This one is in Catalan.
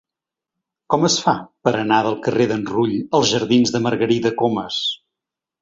Com es fa per anar del carrer d'en Rull als jardins de Margarida Comas?